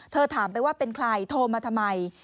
ถามไปว่าเป็นใครโทรมาทำไม